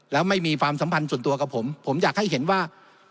แล้วไม่มีความสัมพันธ์ส่วนตัวกับผมผมอยากให้เห็นว่า